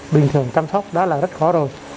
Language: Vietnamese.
bình thường chăm sóc đó là rất khó rồi